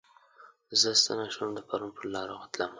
زه ستنه شوم د پرون پرلارو تلمه